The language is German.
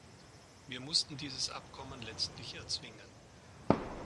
Wir mussten dieses Abkommen letztlich erzwingen.